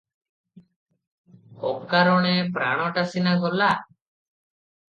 ଅକାରଣେ ପ୍ରାଣଟା ସିନା ଗଲା ।